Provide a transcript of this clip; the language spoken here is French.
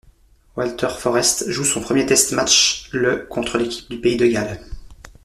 Walter Forrest joue son premier test match le contre l'équipe du pays de Galles.